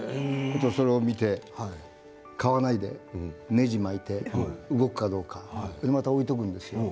それを見て買わないでねじを巻いて動くかどうかそれでまた置いておくんですよ。